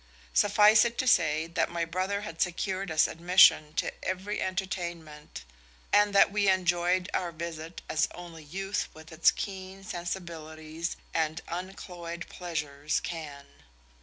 Suffice it to say that my brother had secured us admission to every entertainment, and that we enjoyed our visit as only youth with its keen sensibilities and uncloyed pleasures can.